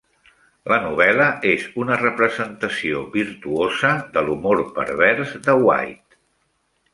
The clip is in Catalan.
La novel·la és una representació virtuosa de l'humor "pervers" de White.